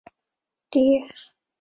热讷伊人口变化图示